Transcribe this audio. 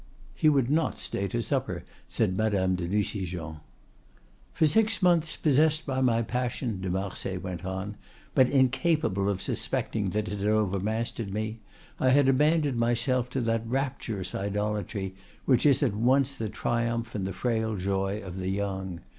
"He would not stay to supper," said Madame de Nucingen. "For six months, possessed by my passion," de Marsay went on, "but incapable of suspecting that it had overmastered me, I had abandoned myself to that rapturous idolatry which is at once the triumph and the frail joy of the young.